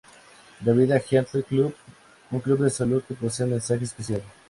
La Vida Health Club: Un club de salud, que posee masaje especial.